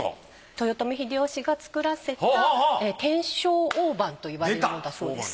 豊臣秀吉が作らせた天正大判といわれるものだそうです。